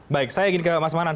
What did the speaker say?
baik saya ingin ke mas manan